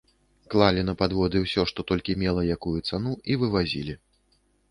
Клалі на падводы ўсё, што толькі мела якую цану, і вывазілі.